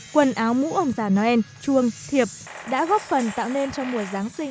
quần áo mũ ông già noel chuông thiệp đã góp phần tạo nên trong mùa giáng sinh